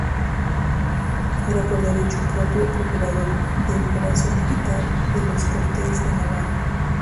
Era por derecho propio procurador del brazo militar en las Cortes de Navarra.